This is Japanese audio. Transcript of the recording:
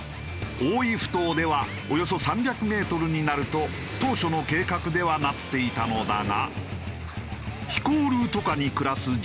大井ふ頭ではおよそ３００メートルになると当初の計画ではなっていたのだが。